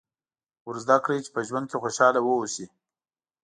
ور زده کړئ چې په ژوند کې خوشاله واوسي.